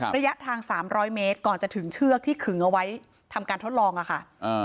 ระยะทาง๓๐๐เมตรก่อนจะถึงเชือกที่ขึงเอาไว้ทำการทดลองอะค่ะ